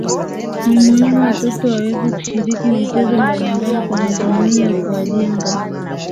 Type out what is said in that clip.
Ni muhimu watoto waweze kushiriki michezo mbalimbali kwa madhumuni ya kuwajenga